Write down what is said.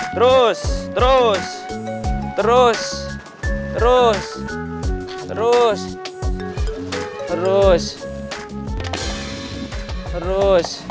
terus terus terus terus terus terus terus